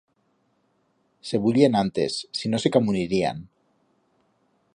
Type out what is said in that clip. Se bullen antes, si no se camunirían.